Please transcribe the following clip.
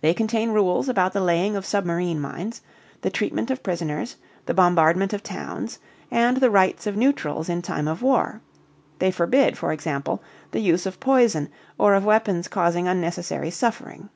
They contain rules about the laying of submarine mines, the treatment of prisoners, the bombardment of towns, and the rights of neutrals in time of war; they forbid, for example, the use of poison or of weapons causing unnecessary suffering.